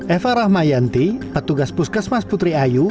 eva rahmayanti petugas puskesmas putri ayu